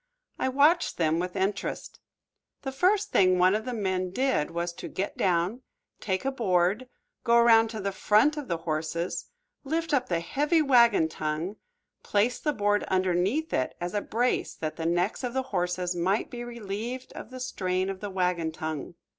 I watched them with interest. The first thing one of the men did was to get down, take a board, go around to the front of the horses, lift up the heavy wagon tongue, place the board underneath it as a brace that the necks of the horses might be relieved of the strain of the wagon tongue.